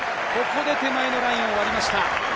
ここで手前のラインを割りました。